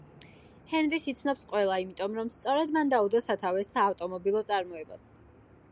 ჰენრის იცნობს ყველა იმიტომ, რომ სწორედ მან დაუდო სათავე საავტომობილო წარმოებას.